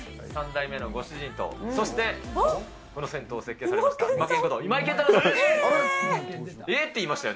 ３代目のご主人と、そして、この銭湯を設計されました